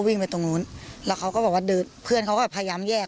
วิ่งไปตรงนู้นแล้วเขาก็บอกว่าเดินเพื่อนเขาก็แบบพยายามแยก